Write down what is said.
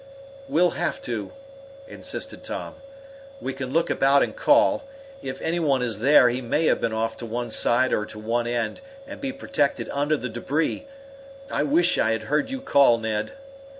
"We'll have to," insisted Tom. "We can look about and call. If any one is there he may have been off to one side or to one end, and be protected under the debris. I wish I had heard you call, Ned."